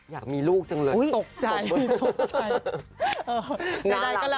อยากมีลูกจังเลยตกมือน่ารักมากนะโอ้โหตกใจ